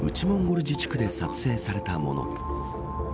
モンゴル自治区で撮影されたもの。